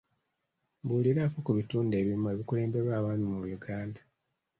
Mbuuliraako ku bitundu ebimu ebikulemberwa abaami mu Uganda.